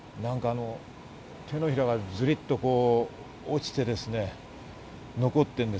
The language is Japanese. なんか手のひらがズリっと落ちて、残ってるんです。